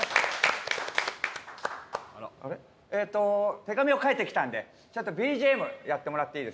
えーと手紙を書いてきたんでちょっとＢＧＭやってもらっていいですか？